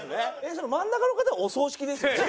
真ん中の方はお葬式ですよね？